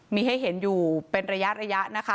มีให้เห็นอยู่เป็นระยะนะคะ